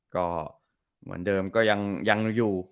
ก็เหมือนเดิมก็ยังอยู่